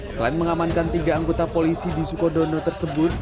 selain mengamankan tiga anggota polisi di sukodono tersebut